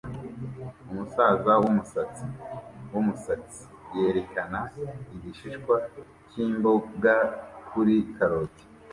Umusaza wumusatsi wumusatsi yerekana igishishwa cyimboga kuri karoti